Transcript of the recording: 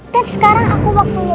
teb sekarang aku waktunya